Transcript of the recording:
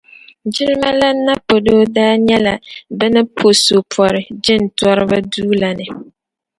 Jilimalana Napodoo daa nyɛla bɛ ni pɔ so pɔri jintɔriba duu la puuni